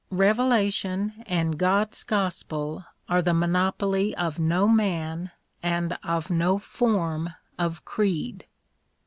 Revelation and God's gospel are the monopoly of no man and of no form of creed.